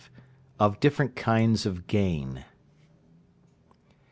OF DIFFERENT KINDS OF GAIN.